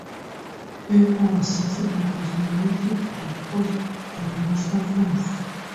He who succeeded was nominated to the post for the next five years.